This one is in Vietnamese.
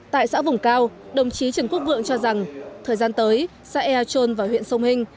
tại xã vùng cao đồng chí trần quốc vượng cho rằng thời gian tới xã ea trôn và huyện sông hình